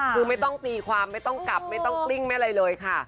คือไม่ต้องตีความไม่ต้องกลับไม่ต้องกลิ้งไม่อะไรเลยค่ะ